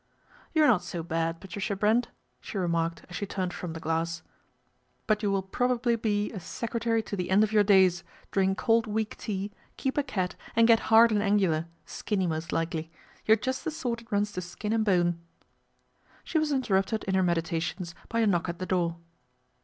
" You're not so bad, Patricia Brent," she re marked as she turned from the glass. " But you will probably be a secretary to the end of your days, drink cold weak tea, keep a cat and get hard and angular, skinny most likely. You're just the sort that runs to skin and bone/' She was interrupted in her meditations by a knock at the door.